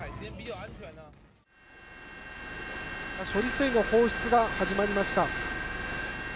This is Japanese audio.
処理水の放出が始まりました。